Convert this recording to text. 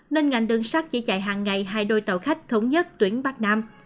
nên ngành đơn sát chỉ chạy hàng ngày hai đôi tàu khách thống nhất tuyến bắc nam